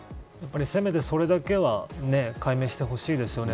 せめて、それだけは解明してほしいですよね。